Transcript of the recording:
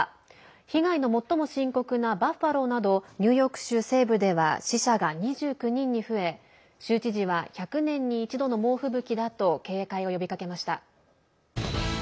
被害の最も深刻なバファローなどニューヨーク州西部では死者が２９人に増え州知事は１００年に一度の猛吹雪だと警戒を呼びかけました。